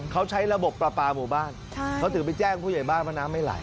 เขาใช้ระบบปลาปลาหมู่บ้านเขาถึงไปแจ้งผู้ใหญ่บ้านว่าน้ำไม่ไหล